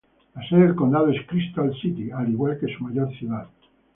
La sede del condado es Crystal City, al igual que su mayor ciudad.